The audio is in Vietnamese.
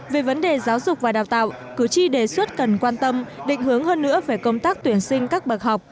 về vấn đề giáo dục và đào tạo cử tri đề xuất cần quan tâm định hướng hơn nữa về công tác tuyển sinh các bậc học